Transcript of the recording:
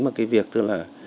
một cái việc tương là